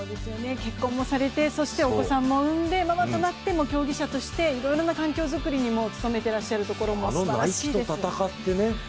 結婚もされてそして、お子さんも産んでママとなって競技者として、いろいろな環境作りにも取り組んでらっしゃるのもすばらしいです。